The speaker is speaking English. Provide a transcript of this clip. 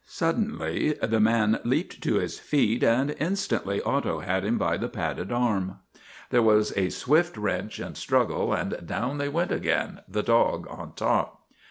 Sud denly the man leaped to his feet, and instantly Otto had him by the padded arm. There was a swift wrench and struggle and down they went again, the dog on top.